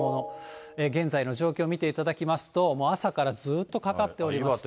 現在の状況を見ていただきますと、朝からずっとかかっております。